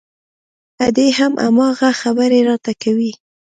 ادې هم هماغه خبرې راته کوي.